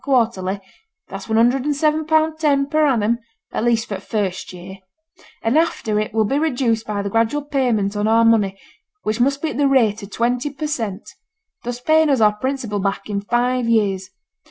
quarterly that's one hundred and seven pound ten per annum at least for t' first year; and after it will be reduced by the gradual payment on our money, which must be at the rate of twenty per cent., thus paying us our principal back in five years.